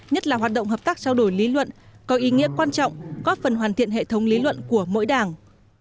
nhất là hoạt động hợp tác trao đổi lý luận có ý nghĩa quan trọng góp phần hoàn thiện hệ thống lý luận của mỗi đảng